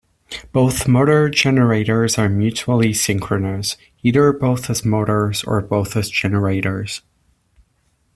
Both motor-generators are mutually synchronous, either both as motors, or both as generators.